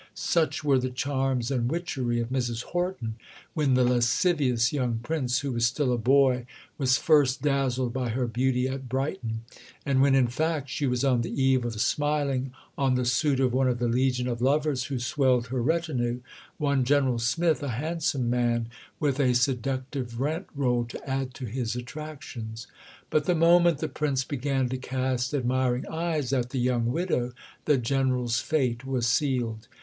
Such were the charms and witchery of Mrs Horton when the lascivious young Prince, who was still a boy, was first dazzled by her beauty at Brighton; and when, in fact, she was on the eve of smiling on the suit of one of the legion of lovers who swelled her retinue, one General Smith, a handsome man with a seductive rent roll to add to his attractions. But the moment the Prince began to cast admiring eyes at the young widow the General's fate was sealed.